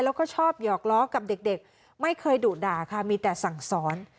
แล้วก็ชอบหยอกล้อกับเด็กไม่เคยดุด่าค่ะมีแต่สั่งสอน